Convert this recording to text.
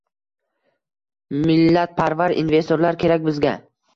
Millatparvar investorlar kerak bizga.